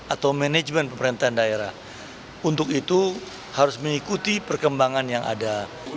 atau manajemen pemerintahan daerah untuk itu harus mengikuti perkembangan yang ada